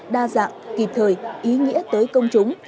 đa dạng kịp thời ý nghĩa tới công chúng